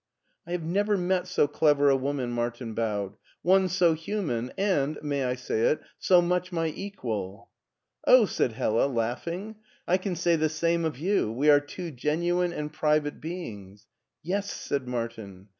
" I have never met so clever a woman "— ^Martin bowed —" one so human and — ^may I say it ?— so much my equal." " Oh !" said Hella, laughing, " I can say the same of you. We are two genuine and private beings." '' Yes," said Martin.